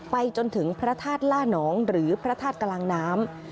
ไปจนถึงพระธาตุล่านองหรือพระธาตุกลางน้ำ